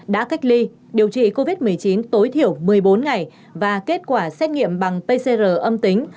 đã cách ly điều trị covid một mươi chín tối thiểu một mươi bốn ngày và kết quả xét nghiệm bằng pcr âm tính